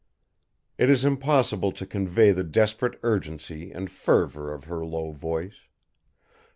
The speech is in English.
It is impossible to convey the desperate urgency and fervor of her low voice.